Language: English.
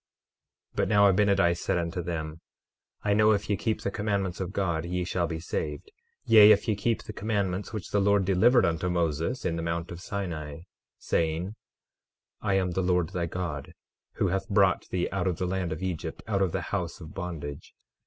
12:33 But now Abinadi said unto them: I know if ye keep the commandments of God ye shall be saved; yea, if ye keep the commandments which the Lord delivered unto Moses in the mount of Sinai, saying: 12:34 I am the Lord thy God, who hath brought thee out of the land of Egypt, out of the house of bondage.